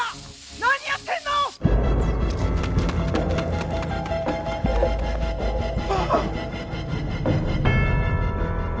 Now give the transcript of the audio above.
何やってんの⁉あぁ！